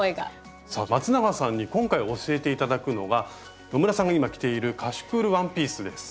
まつながさんに今回教えて頂くのが野村さんが今着ているカシュクールワンピースです。